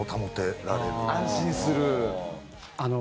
安心する？